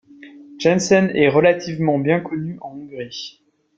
Jensen est relativement bien connu en Hongrie.